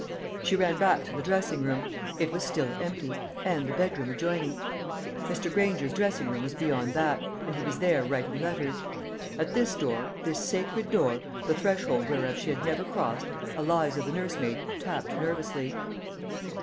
She ran back to the dressing room; it was still empty, and the bedroom adjoining. Mr. Granger's dressing room was beyond that, and he was there writing letters. At this door this sacred door, the threshold whereof she had never crossed Eliza the nursemaid tapped nervously.